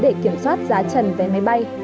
để kiểm soát giá trần vé máy bay